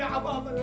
ada ada bangun